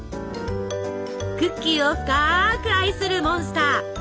クッキーを深く愛するモンスター。